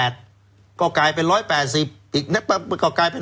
จากสาขาที่ก็บอกนะ๑๘ก็กลายเป็น๑๘๐